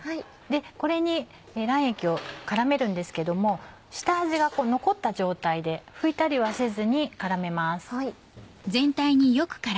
これに卵液を絡めるんですけれども下味が残った状態で拭いたりはせずに絡めます。